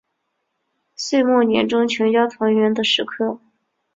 岁末年终全家团圆的时刻